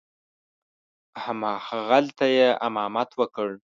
همغلته یې امامت وکړ.